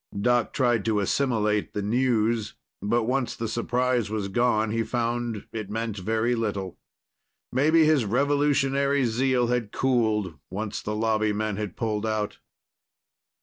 Doc tried to assimilate the news. But once the surprise was gone, he found it meant very little. Maybe his revolutionary zeal had cooled, once the Lobby men had pulled out.